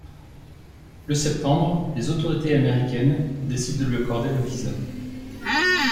Le septembre, les autorités américaines décident de lui accorder le visa.